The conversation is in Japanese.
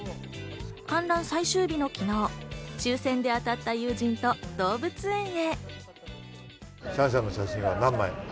観覧最終日の昨日、抽選で当たった友人と動物園へ。